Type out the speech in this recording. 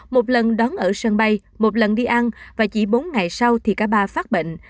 một lần đón ở sân bay một lần đi ăn và chỉ bốn ngày sau thì cả ba phát bệnh